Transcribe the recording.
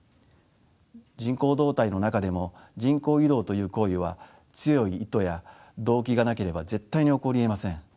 人口動態の中でも人口移動という行為は強い意図や動機がなければ絶対に起こりえません。